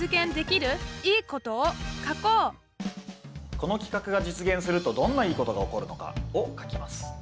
この企画が実現するとどんないいことが起こるのかを書きます。